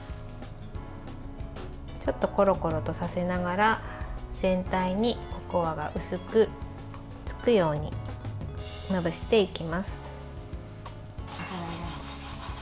ちょっと、ころころとさせながら全体にココアが薄くつくようにまぶしていきます。